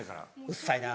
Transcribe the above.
うっさいな。